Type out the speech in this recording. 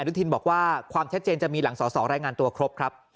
คุณบอกประขึ้นบอกว่าความแท็จเจนจะมีหลังสอนแรดงานตัวครบครับ